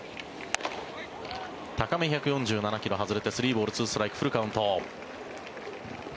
高め１４７ｋｍ、外れて３ボール２ストライクフルカウント。